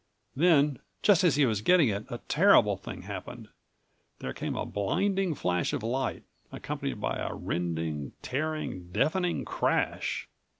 Then, just as he was getting it a terrible thing happened. There came a blinding flash of light, accompanied by a rending, tearing, deafening crash.